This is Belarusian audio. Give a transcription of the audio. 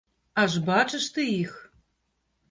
Аж бачыш ты іх!